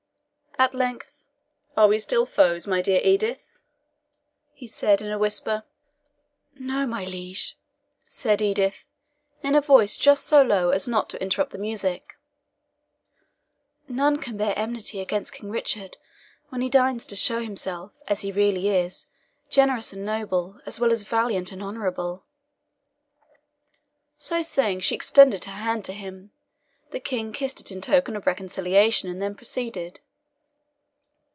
At length, "Are we still foes, my fair Edith?" he said, in a whisper. "No, my liege," said Edith, in a voice just so low as not to interrupt the music; "none can bear enmity against King Richard when he deigns to show himself, as he really is, generous and noble, as well as valiant and honourable." So saying, she extended her hand to him. The King kissed it in token of reconciliation, and then proceeded.